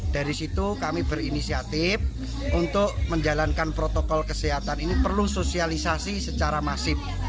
dari situ kami berinisiatif untuk menjalankan protokol kesehatan ini perlu sosialisasi secara masif